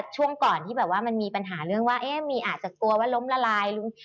ช่วงก่อนที่มีปัญหาเรื่องว่าอาจจะกลัวว่าล้มละลาย